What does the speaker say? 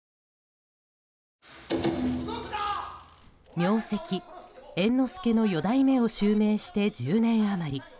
名跡・猿之助の四代目を襲名して１０年余り。